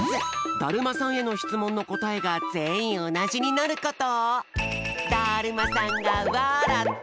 だるまさんへのしつもんのこたえがぜんいんおなじになること。